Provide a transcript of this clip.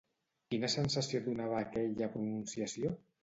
Quina sensació donava aquella pronunciació?